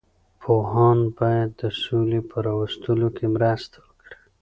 پوهان باید د سولې په راوستلو کې مرسته وکړي.